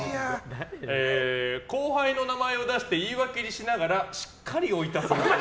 後輩の名前を出して言い訳にしながらしっかりおいたするっぽい。